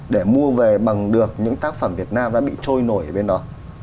để mua về bằng được những tác phẩm việt nam đã bị trôi nổi ở bên đó